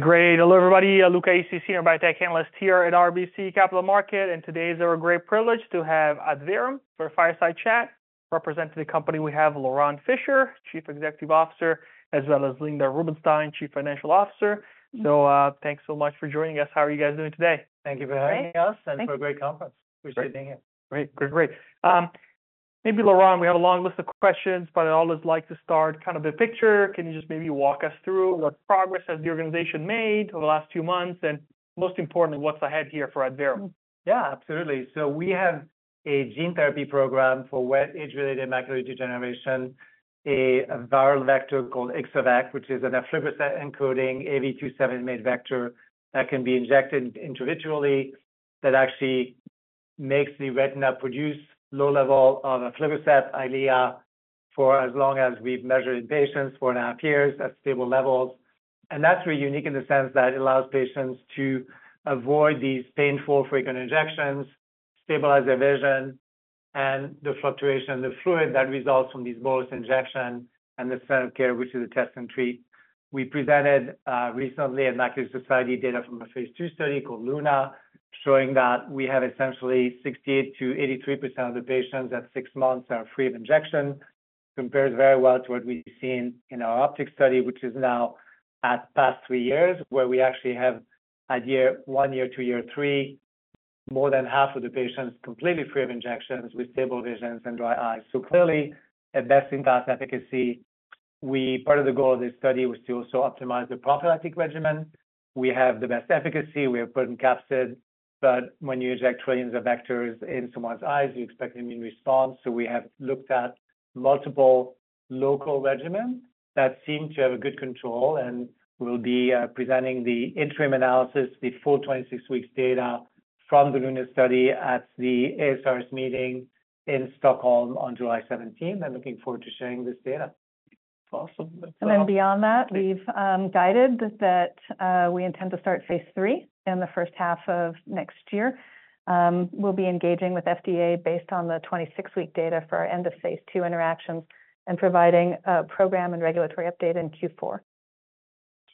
Great. Hello everybody, Luca Issi, Senior Biotech Analyst here at RBC Capital Markets, and today is our great privilege to have Adverum for a fireside chat, representing the company we have Laurent Fischer, Chief Executive Officer, as well as Linda Rubinstein, Chief Financial Officer. So, thanks so much for joining us. How are you guys doing today? Thank you for having us and for a great conference. Appreciate being here. Great, great, great. Maybe Laurent, we have a long list of questions, but I'd always like to start kind of big picture. Can you just maybe walk us through what progress has the organization made over the last few months, and most importantly, what's ahead here for Adverum? Yeah, absolutely. So we have a gene therapy program for wet age-related macular degeneration, a viral vector called Ixo-vec, which is an aflibercept encoding AAV.7m8-made vector that can be injected intravitreally that actually makes the retina produce low level of aflibercept Eylea for as long as we've measured in patients for a half year at stable levels. And that's really unique in the sense that it allows patients to avoid these painful frequent injections, stabilize their vision, and the fluctuation in the fluid that results from these bolus injections and the standard of care, which is the test and treat. We presented recently at Macular Society data from a phase II study called LUNA, showing that we have essentially 68%-83% of the patients at six months that are free of injection. Compares very well to what we've seen in our OPTIC study, which is now at past three years, where we actually have a year one, year two, year three—more than half of the patients completely free of injections with stable visions and dry eyes. So clearly, a best-in-class efficacy. We—part of the goal of this study was to also optimize the prophylactic regimen. We have the best efficacy. We have potent capsid. But when you inject trillions of vectors in someone's eyes, you expect an immune response. So we have looked at multiple local regimens that seem to have a good control, and we'll be presenting the interim analysis, the full 26-week data from the LUNA study at the ASRS meeting in Stockholm on July 17th, and looking forward to sharing this data. Awesome. Then beyond that, we've guided that we intend to start phase III in the first half of next year. We'll be engaging with FDA based on the 26-week data for our end-of-phase II interactions and providing program and regulatory update in Q4.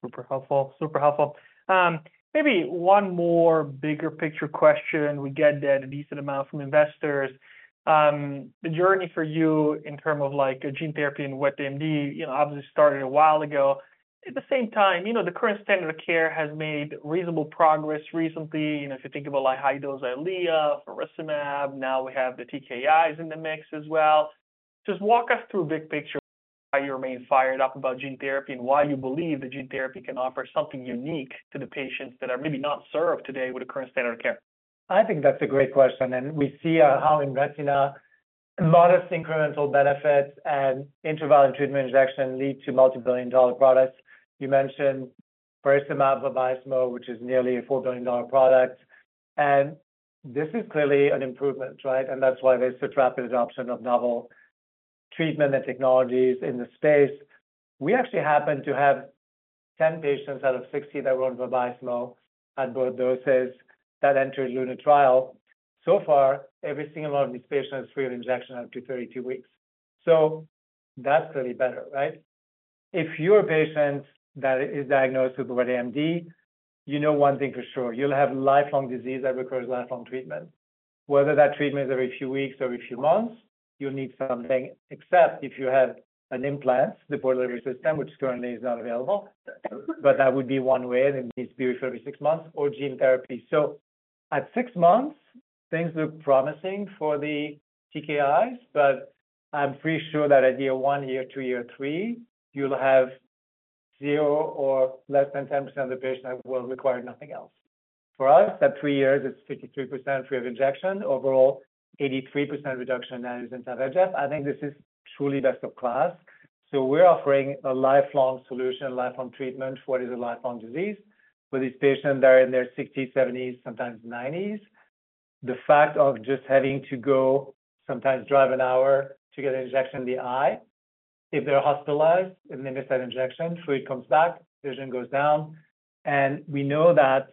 Super helpful, super helpful. Maybe one more bigger picture question. We get that a decent amount from investors. The journey for you in terms of, like, gene therapy and wet AMD, you know, obviously started a while ago. At the same time, you know, the current standard of care has made reasonable progress recently. You know, if you think about like high-dose Eylea, faricimab, now we have the TKIs in the mix as well. Just walk us through a big picture. Why you remain fired up about gene therapy and why you believe that gene therapy can offer something unique to the patients that are maybe not served today with the current standard of care? I think that's a great question. We see how in retina, modest incremental benefits and interval in treatment injection lead to multi-billion dollar products. You mentioned faricimab for Vabysmo, which is nearly a $4 billion product. And this is clearly an improvement, right? And that's why there's such rapid adoption of novel treatment and technologies in the space. We actually happen to have 10 patients out of 60 that were on Vabysmo at both doses that entered LUNA trial. So far, every single one of these patients is free of injection up to 32 weeks. So that's clearly better, right? If you're a patient that is diagnosed with wet AMD, you know one thing for sure. You'll have lifelong disease that requires lifelong treatment. Whether that treatment is every few weeks or every few months, you'll need something, except if you have an implant, the Port Delivery System, which currently is not available. But that would be one way, and it needs to be refilled every six months, or gene therapy. So at six months, things look promising for the TKIs, but I'm pretty sure that at year one, year two, year three, you'll have 0 or less than 10% of the patients that will require nothing else. For us, at three years, it's 53% free of injection, overall 83% reduction in anti-VEGF. I think this is truly best of class. So we're offering a lifelong solution, lifelong treatment for what is a lifelong disease for these patients that are in their 60s, 70s, sometimes 90s. The fact of just having to go, sometimes drive an hour to get an injection in the eye. If they're hospitalized and they miss that injection, fluid comes back, vision goes down. We know that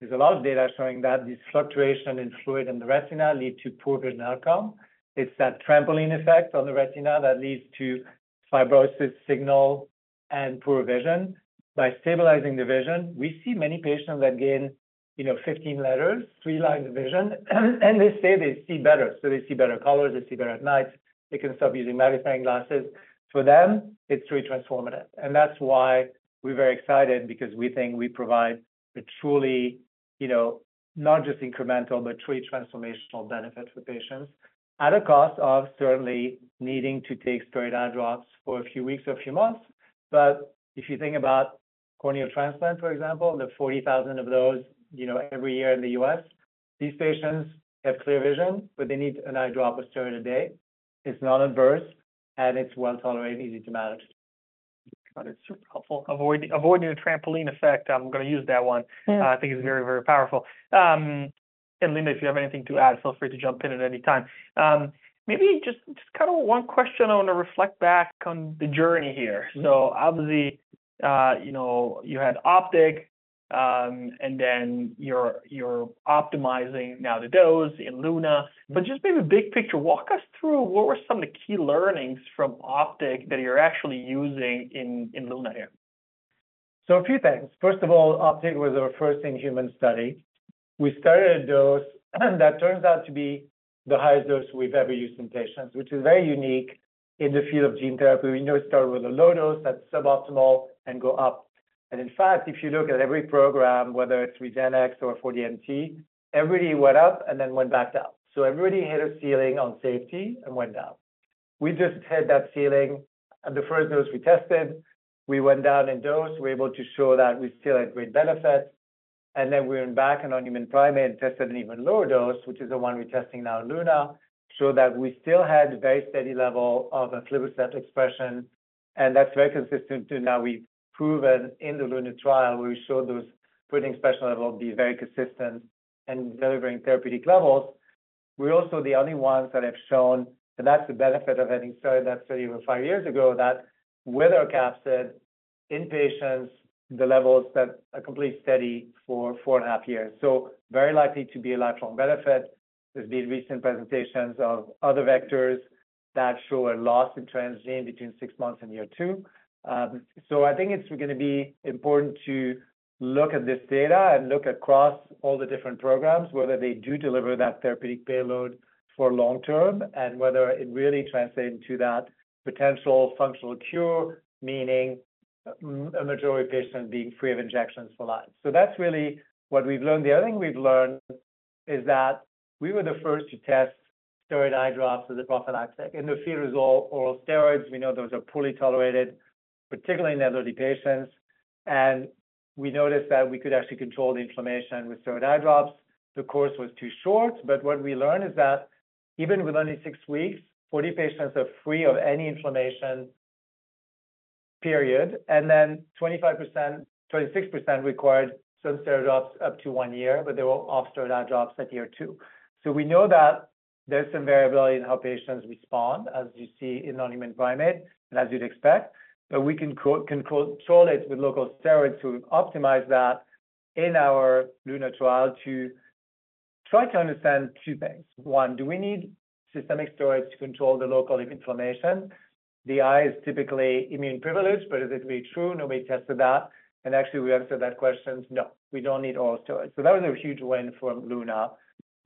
there's a lot of data showing that this fluctuation in fluid in the retina leads to poor vision outcome. It's that trampoline effect on the retina that leads to fibrosis signal and poor vision. By stabilizing the vision, we see many patients that gain, you know, 15 letters, three lines of vision, and they say they see better. They see better colors. They see better at night. They can stop using magnifying glasses. For them, it's truly transformative. That's why we're very excited, because we think we provide a truly, you know, not just incremental, but truly transformational benefit for patients, at a cost of certainly needing to take steroid eye drops for a few weeks or a few months. But if you think about corneal transplant, for example, the 40,000 of those, you know, every year in the U.S., these patients have clear vision, but they need an eye drop or steroid a day. It's non-adverse, and it's well tolerated, easy to manage. Got it. Super helpful. Avoiding, avoiding the trampoline effect. I'm going to use that one. I think it's very, very powerful. And Linda, if you have anything to add, feel free to jump in at any time. Maybe just, just kind of one question. I want to reflect back on the journey here. So obviously, you know, you had OPTIC, and then you're, you're optimizing now the dose in LUNA. But just maybe big picture, walk us through what were some of the key learnings from OPTIC that you're actually using in, in LUNA here? So a few things. First of all, OPTIC was our first in-human study. We started a dose that turns out to be the highest dose we've ever used in patients, which is very unique in the field of gene therapy. We know we start with a low dose that's suboptimal and go up. And in fact, if you look at every program, whether it's RegenX or 4DMT, everybody went up and then went back down. So everybody hit a ceiling on safety and went down. We just hit that ceiling. And the first dose we tested, we went down in dose. We're able to show that we still had great benefit. And then we went back and in non-human primate tested an even lower dose, which is the one we're testing now in LUNA, showed that we still had very steady level of aflibercept expression. That's very consistent to now we've proven in the LUNA trial where we showed those protein levels be very consistent and delivering therapeutic levels. We're also the only ones that have shown, and that's the benefit of having started that study over five years ago, that with our capsid, in patients, the levels that are completely steady for four and a half years. So very likely to be a lifelong benefit. There's been recent presentations of other vectors that show a loss in transgene between six months and year two. So I think it's going to be important to look at this data and look across all the different programs, whether they do deliver that therapeutic payload for long term and whether it really translates into that potential functional cure, meaning a majority of patients being free of injections for life. So that's really what we've learned. The other thing we've learned is that we were the first to test steroid eye drops as a prophylactic. In the field is all oral steroids. We know those are poorly tolerated, particularly in elderly patients. And we noticed that we could actually control the inflammation with steroid eye drops. The course was too short, but what we learned is that even with only six weeks, 40 patients are free of any inflammation, period. And then 25%, 26% required some steroid drops up to one year, but they were off steroid eye drops at year two. So we know that there's some variability in how patients respond, as you see in non-human primate and as you'd expect. But we can control it with local steroids to optimize that in our LUNA trial to try to understand two things. One, do we need systemic steroids to control the local inflammation? The eye is typically immune privileged, but is it really true? Nobody tested that. And actually, we answered that question. No, we don't need oral steroids. So that was a huge win from LUNA.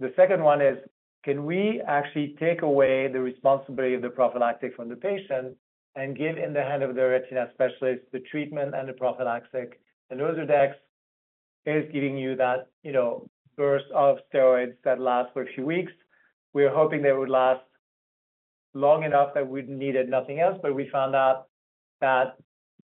The second one is, can we actually take away the responsibility of the prophylactic from the patient and give in the hand of their retina specialist the treatment and the prophylactic? And Ozurdex is giving you that, you know, burst of steroids that lasts for a few weeks. We were hoping they would last long enough that we'd needed nothing else, but we found out that,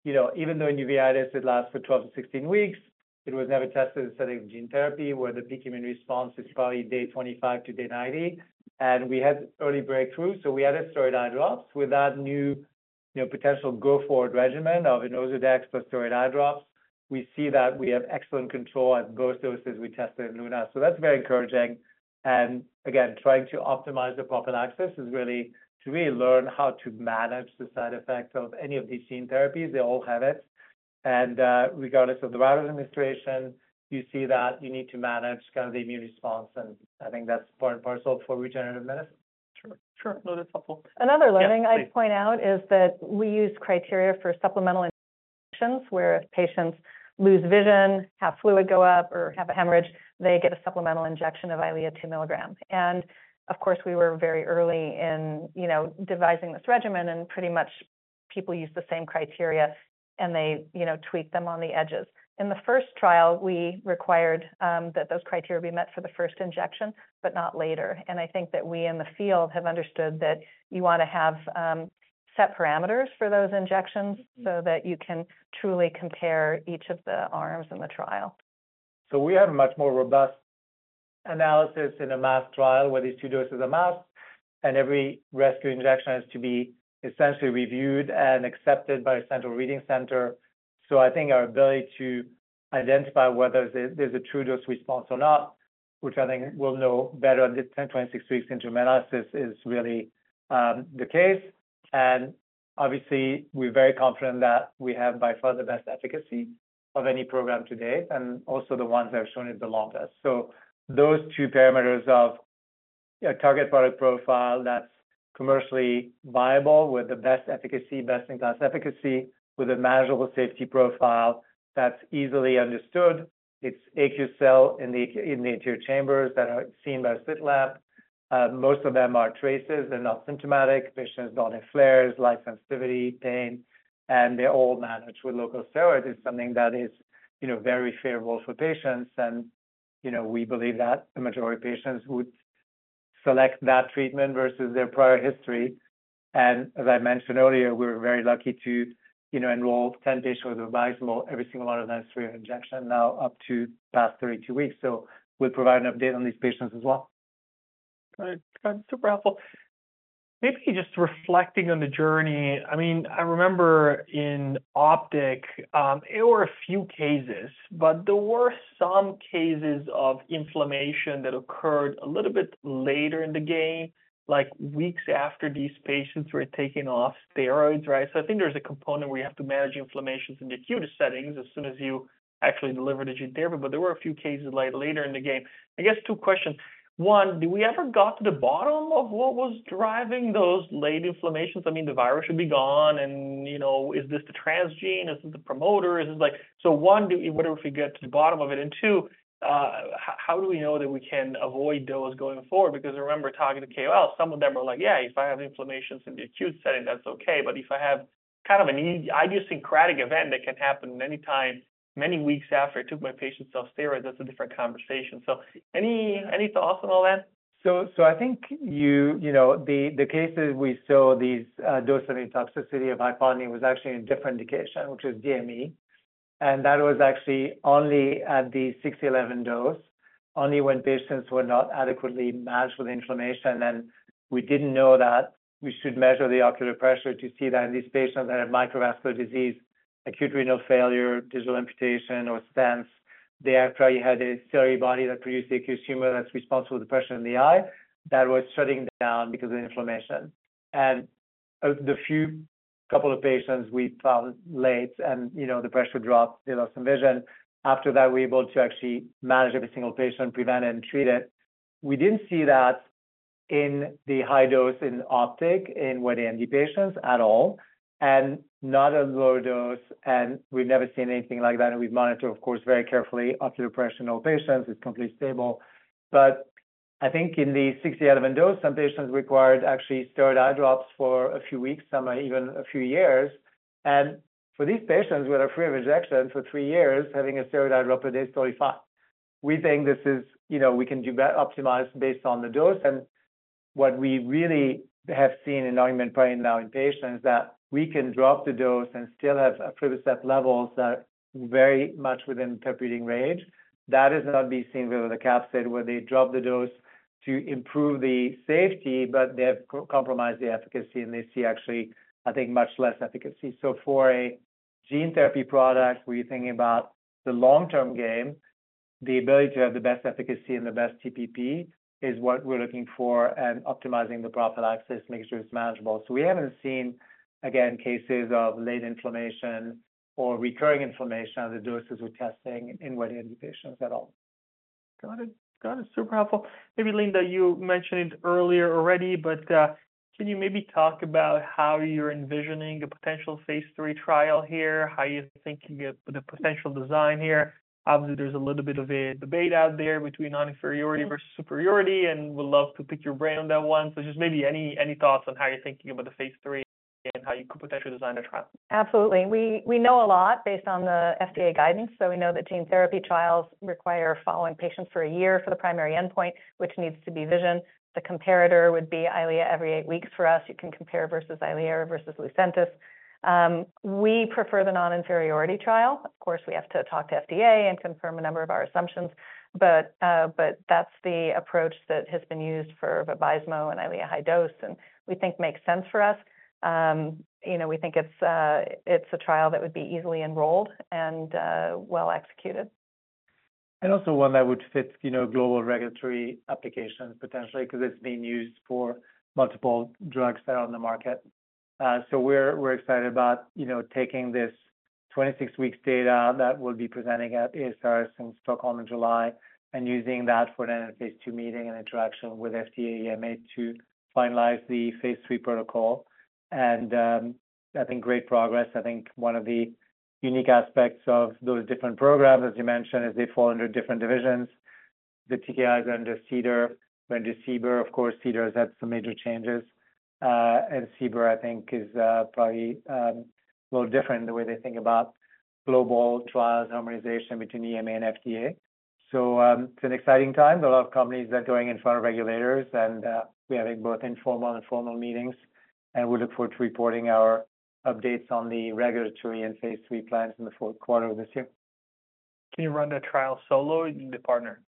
you know, even though in uveitis it lasts for 12-16 weeks, it was never tested in the setting of gene therapy where the peak immune response is probably day 25-day 90. And we had early breakthrough. So we added steroid eye drops with that new, you know, potential go-forward regimen of an Ozurdex plus steroid eye drops. We see that we have excellent control at both doses we tested in LUNA. So that's very encouraging. And again, trying to optimize the prophylaxis is really to really learn how to manage the side effects of any of these gene therapies. They all have it. And, regardless of the route of administration, you see that you need to manage kind of the immune response. And I think that's part and parcel for regenerative medicine. Sure, sure. No, that's helpful. Another learning I'd point out is that we use criteria for supplemental injections where if patients lose vision, have fluid go up, or have a hemorrhage, they get a supplemental injection of Eylea 2 mg. Of course, we were very early in, you know, devising this regimen and pretty much people use the same criteria and they, you know, tweak them on the edges. In the first trial, we required that those criteria be met for the first injection, but not later. I think that we in the field have understood that you want to have set parameters for those injections so that you can truly compare each of the arms in the trial. So we have a much more robust analysis in a LUNA trial where these two doses are masked and every rescue injection has to be essentially reviewed and accepted by a central reading center. So I think our ability to identify whether there's a true dose response or not, which I think we'll know better on the 10-26 weeks interim analysis, is really the case. And obviously, we're very confident that we have by far the best efficacy of any program to date and also the ones that have shown it the longest. So those two parameters of a target product profile that's commercially viable with the best efficacy, best-in-class efficacy, with a measurable safety profile that's easily understood. It's AC cells in the anterior chamber that are seen by a slit-lamp. Most of them are traces. They're not symptomatic. Patients don't have flares, light sensitivity, pain, and they're all managed with local steroids. It's something that is, you know, very favorable for patients. And, you know, we believe that the majority of patients would select that treatment versus their prior history. And as I mentioned earlier, we were very lucky to, you know, enroll 10 patients with Vabysmo. Every single one of them is free of injection now up to past 32 weeks. So we'll provide an update on these patients as well. Got it. Got it. Super helpful. Maybe just reflecting on the journey. I mean, I remember in OPTIC, there were a few cases, but there were some cases of inflammation that occurred a little bit later in the game, like weeks after these patients were taking off steroids, right? So I think there's a component where you have to manage inflammations in the acute settings as soon as you actually deliver the gene therapy. But there were a few cases later in the game. I guess two questions. One, do we ever got to the bottom of what was driving those late inflammations? I mean, the virus should be gone. And, you know, is this the transgene? Is this the promoter? Is this like, so one, do whatever if we get to the bottom of it? And two, how do we know that we can avoid those going forward? Because I remember talking to KOL, some of them were like, yeah, if I have inflammations in the acute setting, that's okay. But if I have kind of an idiosyncratic event that can happen anytime, many weeks after I took my patients off steroids, that's a different conversation. So any, any thoughts on all that? So, I think you know, the cases we saw, the dose of toxicity of hypotony was actually in a different indication, which is DME. And that was actually only at the 6E11 dose, only when patients were not adequately managed with inflammation. And we didn't know that we should measure the ocular pressure to see that in these patients that have microvascular disease, acute renal failure, digital amputation, or stents, they actually had a ciliary body that produced the aqueous humor that's responsible for the pressure in the eye that was shutting down because of inflammation. And of the few couple of patients we found late and, you know, the pressure dropped, they lost some vision. After that, we were able to actually manage every single patient, prevent it and treat it. We didn't see that in the high dose in OPTIC in wet AMD patients at all, and not in the low dose. We've never seen anything like that. We've monitored, of course, very carefully ocular pressure in all patients. It's completely stable. But I think in the6E11 dose, some patients required actually steroid eye drops for a few weeks, some even a few years. For these patients who are free of injection for three years, having a steroid eye drop a day is totally fine. We think this is, you know, we can do better optimize based on the dose. And what we really have seen in non-human primates now in patients is that we can drop the dose and still have aflibercept levels that are very much within therapeutic range. That is not being seen with the capsid where they drop the dose to improve the safety, but they have compromised the efficacy and they see actually, I think, much less efficacy. So for a gene therapy product, we're thinking about the long-term game. The ability to have the best efficacy and the best TPP is what we're looking for and optimizing the prophylaxis, making sure it's manageable. So we haven't seen, again, cases of late inflammation or recurring inflammation on the doses we're testing in wet AMD patients at all. Got it. Got it. Super helpful. Maybe, Linda, you mentioned it earlier already, but, can you maybe talk about how you're envisioning a potential phase III trial here, how you're thinking about the potential design here? Obviously, there's a little bit of a debate out there between non-inferiority versus superiority, and we'd love to pick your brain on that one. So just maybe any, any thoughts on how you're thinking about the phase III and how you could potentially design a trial. Absolutely. We know a lot based on the FDA guidance. So we know that gene therapy trials require following patients for a year for the primary endpoint, which needs to be vision. The comparator would be Eylea every eight weeks for us. You can compare versus Eylea versus Lucentis. We prefer the non-inferiority trial. Of course, we have to talk to FDA and confirm a number of our assumptions. But that's the approach that has been used for Vabysmo and Eylea high dose and we think makes sense for us. You know, we think it's a trial that would be easily enrolled and well executed. And also one that would fit, you know, global regulatory applications potentially because it's being used for multiple drugs that are on the market. So we're excited about, you know, taking this 26-week data that we'll be presenting at ASRS in Stockholm in July and using that for an end-of-phase II meeting and interaction with FDA EMA to finalize the phase III protocol. And I think great progress. I think one of the unique aspects of those different programs, as you mentioned, is they fall under different divisions. The TKIs are under CDER. We're under CBER. Of course, CDER has had some major changes. And CBER, I think, is probably a little different in the way they think about global trials, harmonization between EMA and FDA. So it's an exciting time. There are a lot of companies that are going in front of regulators and we're having both informal and formal meetings. We look forward to reporting our updates on the regulatory and phase III plans in the fourth quarter of this year. Can you run a trial solo? Do you need a partner?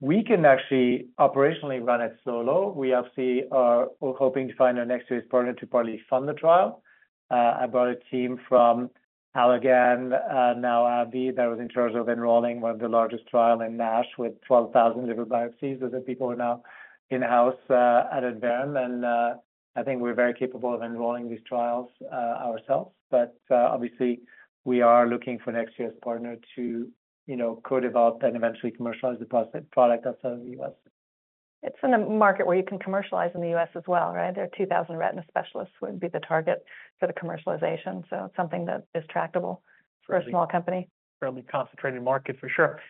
We can actually operationally run it solo. We obviously are hoping to find our next series partner to partly fund the trial. I brought a team from Allergan, now AbbVie, that was in charge of enrolling one of the largest trials in NASH with 12,000 liver biopsies. Those are people who are now in-house, at Adverum. I think we're very capable of enrolling these trials, ourselves. But, obviously, we are looking for ex-U.S. partner to, you know, co-develop and eventually commercialize the product outside of the U.S. It's in a market where you can commercialize in the U.S. as well, right? There are 2,000 retina specialists would be the target for the commercialization. So it's something that is tractable for a small company. Fairly concentrated market for sure.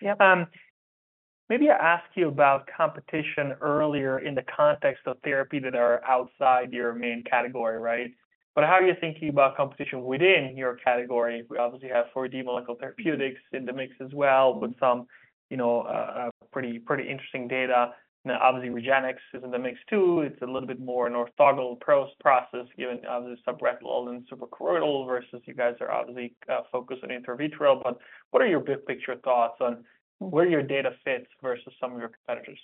Yep. Maybe I ask you about competition earlier in the context of therapy that are outside your main category, right? But how are you thinking about competition within your category? We obviously have 4D Molecular Therapeutics in the mix as well with some, you know, pretty, pretty interesting data. Now, obviously, RegenX is in the mix too. It's a little bit more an orthogonal process given obviously subretinal and superchoroidal versus you guys are obviously, focused on intravitreal. But what are your big picture thoughts on where your data fits versus some of your competitors?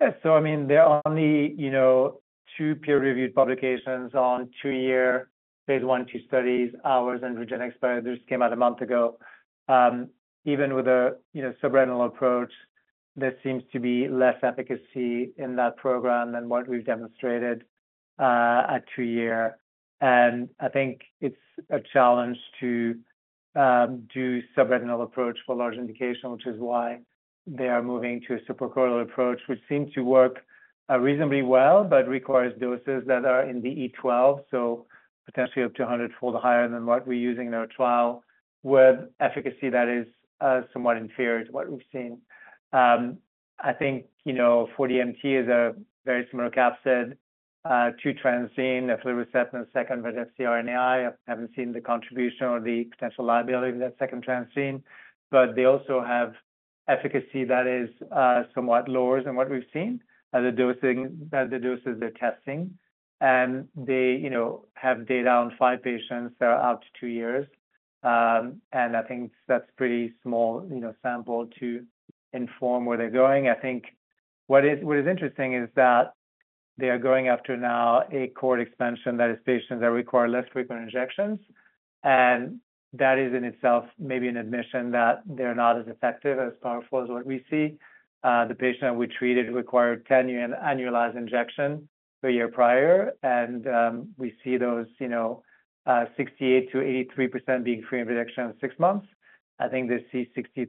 Yeah. So, I mean, there are only, you know, two peer-reviewed publications on two-year phase I or II studies, ours and RegenX. But those came out a month ago. Even with a, you know, subretinal approach, there seems to be less efficacy in that program than what we've demonstrated, at two-year. And I think it's a challenge to do subretinal approach for large indication, which is why they are moving to a superchoroidal approach, which seemed to work reasonably well, but requires doses that are in the E12, so potentially up to 100-fold higher than what we're using in our trial with efficacy that is, somewhat inferior to what we've seen. I think, you know, 4DMT is a very similar capsid, two-transgene, aflibercept and a second-inverted shRNA. I haven't seen the contribution or the potential liability of that second-transgene. But they also have efficacy that is somewhat lower than what we've seen at the dosing at the doses they're testing. And they, you know, have data on 5 patients that are out to two years. And I think that's a pretty small, you know, sample to inform where they're going. I think what is interesting is that they are going after now a core expansion that is patients that require less frequent injections. And that is in itself maybe an admission that they're not as effective, as powerful as what we see. The patient that we treated required 10-year annualized injection the year prior. And, we see those, you know, 68%-83% being free of injection in six months. I think they see 60%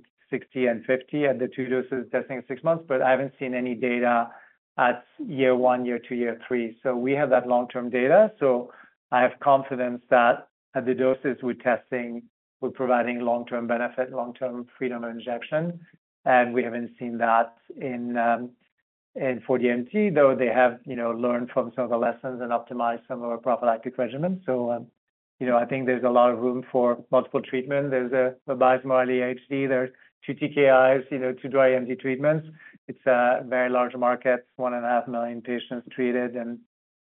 and 50% at the two doses testing in six months. But I haven't seen any data at year one, year two, year three. So we have that long-term data. So I have confidence that at the doses we're testing, we're providing long-term benefit, long-term freedom of injection. And we haven't seen that in 4DMT, though they have, you know, learned from some of the lessons and optimized some of our prophylactic regimens. So, you know, I think there's a lot of room for multiple treatment. There's a Vabysmo Eylea HD. There's two TKIs, you know, two dry AMD treatments. It's a very large market, 1.5 million patients treated and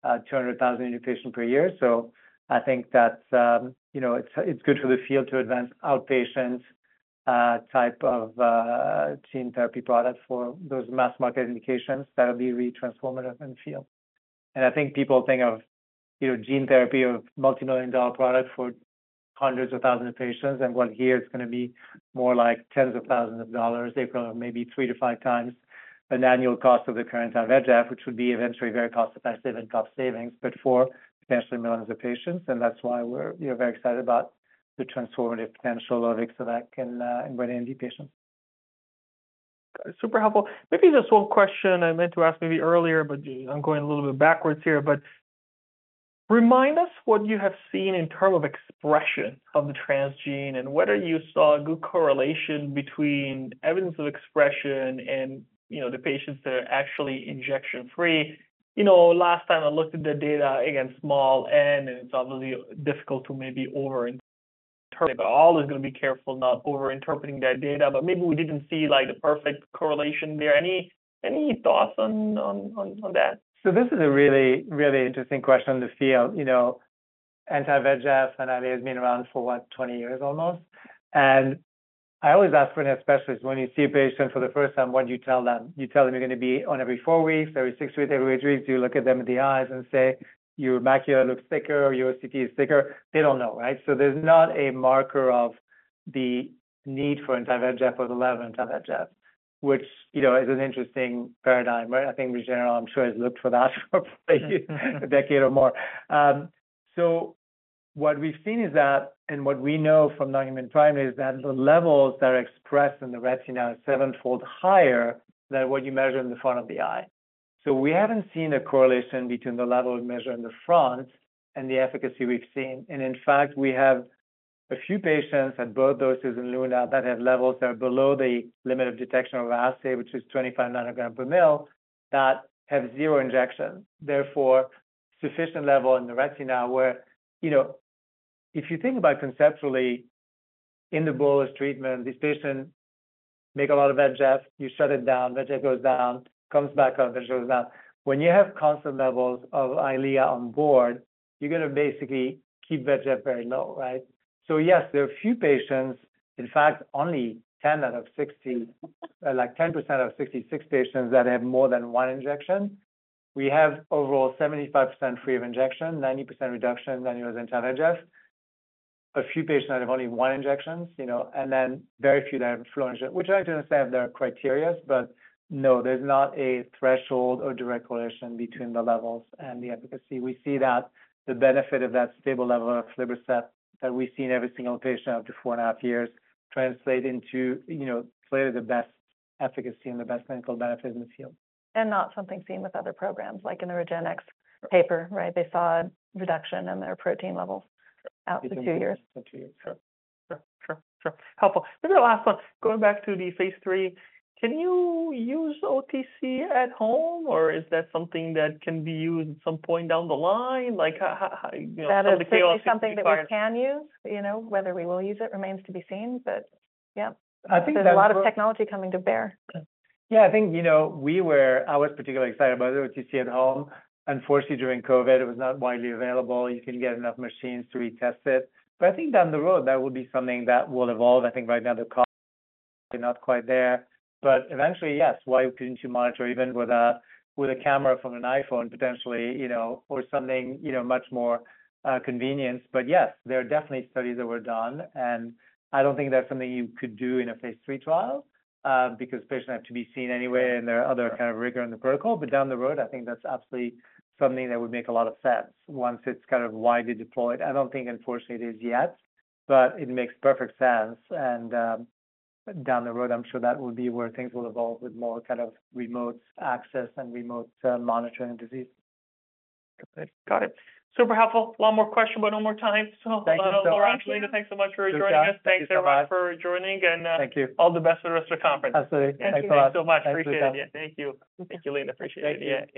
200,000 new patients per year. So I think that, you know, it's good for the field to advance outpatient type of gene therapy product for those mass market indications that will be really transformative in the field. I think people think of, you know, gene therapy as a multi-million dollar product for hundreds of thousands of patients. What here is going to be more like tens of thousands of dollars, a price of maybe 3-5 times an annual cost of the current anti-VEGF, which would be eventually very cost-effective and cost savings, but for potentially millions of patients. That's why we're, you know, very excited about the transformative potential of Ixo-vec in wet AMD patients. Got it. Super helpful. Maybe just one question I meant to ask maybe earlier, but I'm going a little bit backwards here. But remind us what you have seen in terms of expression of the transgene and whether you saw a good correlation between evidence of expression and, you know, the patients that are actually injection-free. You know, last time I looked at the data again, small N, and it's obviously difficult to maybe overinterpret, but all is going to be careful not overinterpreting that data. But maybe we didn't see like the perfect correlation there. Any thoughts on that? So this is a really, really interesting question in the field. You know, anti-VEGF and Eylea has been around for, what, 20 years almost. And I always ask, especially when you see a patient for the first time, what do you tell them? You tell them you're going to be on every four weeks, every six weeks, every eight weeks. Do you look at them in the eyes and say your macula looks thicker or your OCT is thicker? They don't know, right? So there's not a marker of the need for anti-VEGF or the level of anti-VEGF, which, you know, is an interesting paradigm, right? I think Regeneron, I'm sure, has looked for that for a decade or more. So what we've seen is that, and what we know from non-human primate is that the levels that are expressed in the retina are seven-fold higher than what you measure in the front of the eye. So we haven't seen a correlation between the level of measure in the front and the efficacy we've seen. And in fact, we have a few patients at both doses in LUNA that have levels that are below the limit of detection of assay, which is 25 ng/mL, that have zero injection. Therefore, sufficient level in the retina where, you know, if you think about conceptually, in the bolus treatment, this patient make a lot of VEGF, you shut it down, VEGF goes down, comes back up, then it goes down. When you have constant levels of Eylea on board, you're going to basically keep VEGF very low, right? So yes, there are a few patients, in fact, only 10 out of 60, like 10% out of 66 patients that have more than one injection. We have overall 75% free of injection, 90% reduction, 90% anti-VEGF. A few patients that have only one injection, you know, and then very few that have four injection, which I don't understand if there are criteria, but no, there's not a threshold or direct correlation between the levels and the efficacy. We see that the benefit of that stable level of aflibercept that we've seen every single patient up to 4.5 years translate into, you know, clearly the best efficacy and the best clinical benefits in the field. Not something seen with other programs, like in the RegenX paper, right? They saw a reduction in their protein levels out to two years. Two years. Sure. Sure. Sure. Helpful. Maybe the last one, going back to the phase III. Can you use OTC at home or is that something that can be used at some point down the line? Like, how, how, how, you know, for the Ixo-vec experience? That is something that we can use, you know, whether we will use it remains to be seen, but yeah. There's a lot of technology coming to bear. Yeah, I think, you know, we were, I was particularly excited about the OCT at home. Unfortunately, during COVID, it was not widely available. You can get enough machines to retest it. But I think down the road, that will be something that will evolve. I think right now the cost is not quite there. But eventually, yes, why couldn't you monitor even with a camera from an iPhone potentially, you know, or something, you know, much more convenient? But yes, there are definitely studies that were done. And I don't think that's something you could do in a phase III trial, because patients have to be seen anyway and there are other kind of rigor in the protocol. But down the road, I think that's absolutely something that would make a lot of sense once it's kind of widely deployed. I don't think, unfortunately, it is yet. But it makes perfect sense. And down the road, I'm sure that will be where things will evolve with more kind of remote access and remote monitoring of disease. Got it. Got it. Super helpful. One more question, but no more time. So, Laurent and Linda, thanks so much for joining us. Thanks, everyone, for joining and all the best for the rest of the conference. Absolutely. Thanks a lot. Thank you so much. Appreciate it. Thank you. Thank you, Linda. Appreciate it. Yeah.